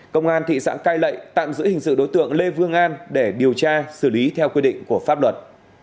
công an thị xã cai lậy tạm giữ hình sự đối tượng lê vương an để điều tra xử lý theo quy định của pháp luật